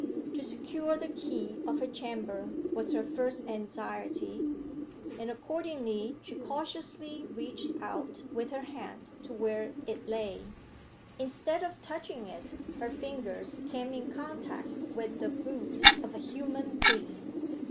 To secure the key of her chamber was her first anxiety, and accordingly she cautiously reached out with her hand to where it lay. Instead of touching it, her fingers came in contact with the boot of a human being.